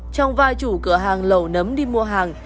trong vai chủ cửa hàng lầu nấm đi mua hàng